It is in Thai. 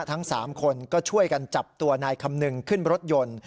ทั้ง๓คนก็ช่วยกันจับตัวนายคำนึงขึ้นรถยนต์